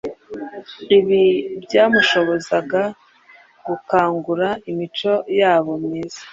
Ibi byamushobozaga gukangura imico yabo myiza